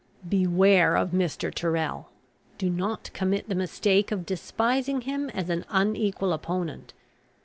Beware of Mr. Tyrrel. Do not commit the mistake of despising him as an unequal opponent.